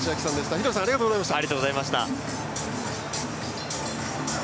廣瀬さんありがとうございました。